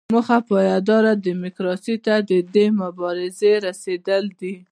موخه پایداره ډیموکراسۍ ته د دې مبارزې رسیدل دي.